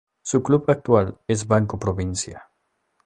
Su club actual es Banco Provincia.